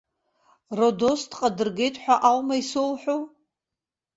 Родостҟа дыргеит ҳәа аума исоуҳәо?